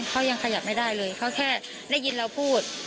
เขายังขยับไม่ได้เลยเขาแค่ได้ยินเราพูด